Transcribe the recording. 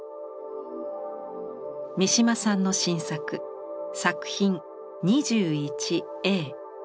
三島さんの新作「作品２１−Ａ」。